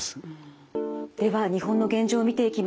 では日本の現状を見ていきます。